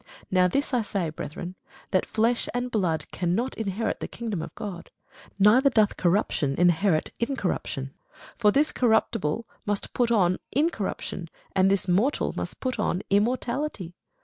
Now this I say, brethren, that flesh and blood cannot inherit the kingdom of God; neither doth corruption inherit incorruption. For this corruptible must put on incorruption, and this mortal must put on immortality.